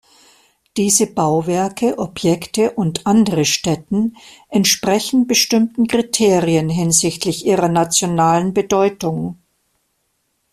Diese Bauwerke, Objekte und andere Stätten entsprechen bestimmten Kriterien hinsichtlich ihrer nationalen Bedeutung.